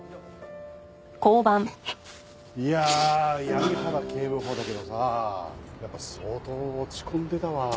いやあ闇原警部補だけどさやっぱ相当落ち込んでたわ。